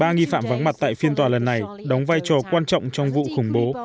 ba nghi phạm vắng mặt tại phiên tòa lần này đóng vai trò quan trọng trong vụ khủng bố